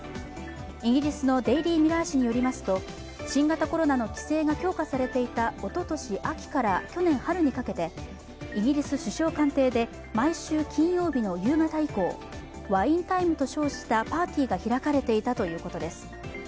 イギリスの「デイリー・ミラー」紙によりますと新型コロナの規制が強化されていたおととし秋から去年春にかけてイギリス首相官邸で毎週金曜日の夕方以降ワインタイムと称したパーティーが開かれていたということです。